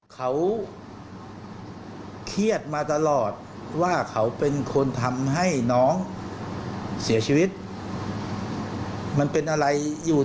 เขาเครียดมาตลอดว่าเขาเป็นคนทำให้น้องเสียชีวิตมันเป็นอะไรอยู่